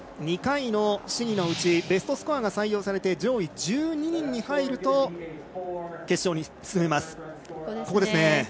２回の試技のうちベストスコアが採用されて上位１２人に入ると決勝に進みます。